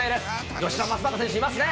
吉田正尚選手いますね。